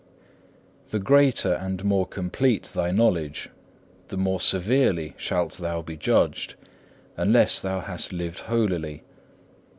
3. The greater and more complete thy knowledge, the more severely shalt thou be judged, unless thou hast lived holily.